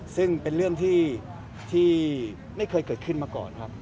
ซึ่งเป็นเรื่องที่ไม่เคยเกิดขึ้นมาก่อนครับ